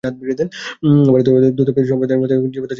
ভারতের দ্বৈতবাদী সম্প্রদায়সমূহের মতে জীবাত্মা চিরকাল জীবাত্মাই থাকিবে।